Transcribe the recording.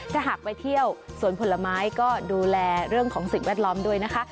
ถ้าหากไปเที่ยวสวนผลไม้ก็ดูแลเรื่องของสิ่งแวดล้อมด้วยนะคะ